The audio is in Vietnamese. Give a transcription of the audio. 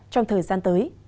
trong thời gian tới